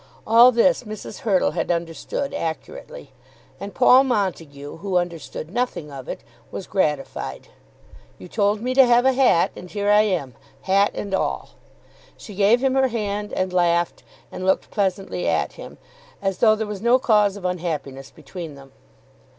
All this Mrs. Hurtle had understood accurately; and Paul Montague, who understood nothing of it, was gratified. "You told me to have a hat, and here I am, hat and all." She gave him her hand, and laughed, and looked pleasantly at him, as though there was no cause of unhappiness between them.